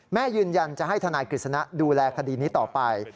ยืนยันจะให้ทนายกฤษณะดูแลคดีนี้ต่อไป